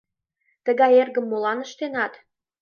Тыгай эргым молан ыштенат?!